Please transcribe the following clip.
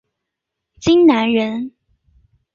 荆南人。